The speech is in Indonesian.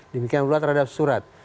demikian juga terhadap surat